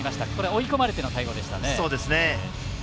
追い込まれての対応でしたね。